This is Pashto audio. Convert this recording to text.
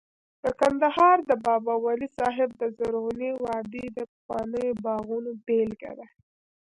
د کندهار د بابا ولی صاحب د زرغونې وادۍ د پخوانیو باغونو بېلګه ده